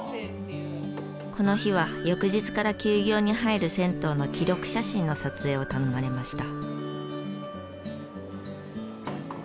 この日は翌日から休業に入る銭湯の記録写真の撮影を頼まれました。